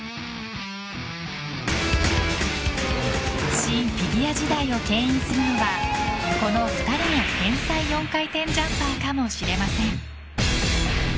シン・フィギュア時代をけん引するのは、この２人の４回転ジャンパーかもしれません。